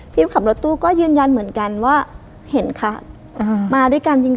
ขับรถตู้ก็ยืนยันเหมือนกันว่าเห็นค่ะมาด้วยกันจริง